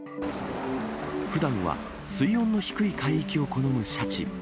ふだんは水温の低い海域を好むシャチ。